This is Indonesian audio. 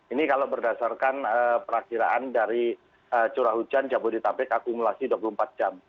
ini kalau berdasarkan perakiraan dari curah hujan jabodetabek akumulasi dua puluh empat jam